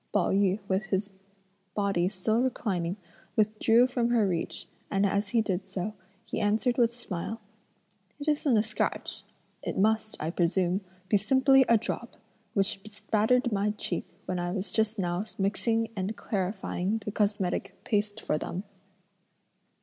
Pao yü with his body still reclining withdrew from her reach, and as he did so, he answered with a smile: "It isn't a scratch; it must, I presume, be simply a drop, which bespattered my cheek when I was just now mixing and clarifying the cosmetic paste for them."